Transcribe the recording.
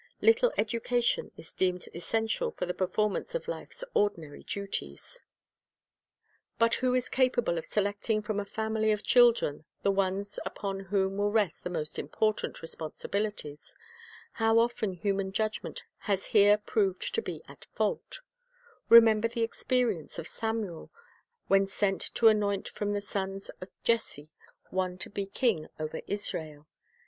Little education is deemed essential for the performance of life's ordinary duties. But who is capable of selecting from a family of 266 C/i <t ra etc r B it i 1 (I i n g Whom Shall We Educate? "A'ot as Man Sceth children the ones upon whom will rest the most impor tant responsibilities? How often human judgment has here proved to be at fault! Remember the experience of Samuel when sent to anoint from the sons of Jesse one to be king over Israel.